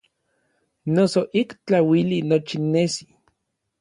Noso ik tlauili nochi nesi.